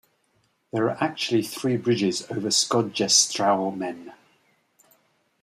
There are actually three bridges over Skodjestraumen.